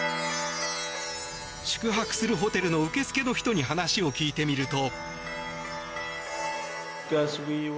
宿泊するホテルの受付の人に話を聞いてみると。